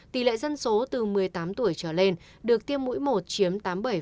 tỷ lệ dân số từ một mươi tám tuổi trở lên được tiêm mũi một chiếm tám mươi bảy